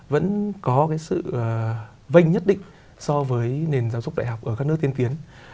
vẫn có cái sự vanh nhất định so với nền giáo dục đại học ở các nước tiên tiến